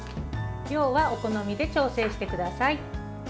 量はお好みで調整してください。